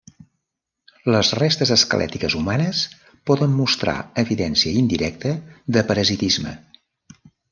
Les restes esquelètiques humanes poden mostrar evidència indirecta de parasitisme.